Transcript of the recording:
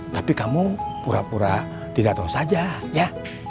tapi kamu pura pura tidak tahu saja ya